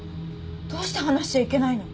どうして話しちゃいけないの？